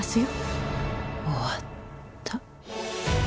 終わった。